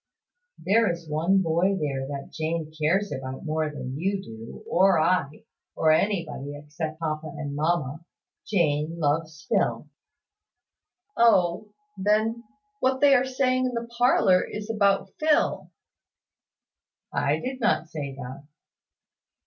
"There is one boy there that Jane cares about more than you do, or I, or anybody, except papa and mamma. Jane loves Phil." "O, then, what they are saying in the parlour is about Phil." "I did not say that."